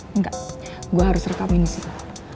enggak gue harus rekamin disini